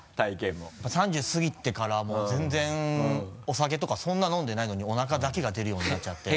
やっぱ３０過ぎてからもう全然お酒とかそんな飲んでないのにおなかだけが出るようになっちゃって。